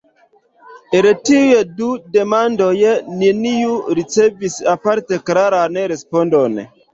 El tiuj du demandoj neniu ricevis aparte klaran respondon.